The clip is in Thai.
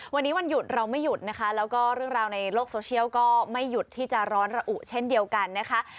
วันนี้วันหยุดเราไม่หยุดนะคะแล้วก็เรื่องราวในโลกโซเชียลก็ไม่หยุดที่จะร้อนระอุเช่นเดียวกันนะคะ